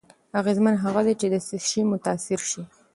اغېزمن هغه دی چې له څه شي متأثر شي.